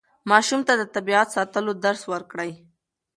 ماشومانو ته د طبیعت ساتلو درس ورکړئ.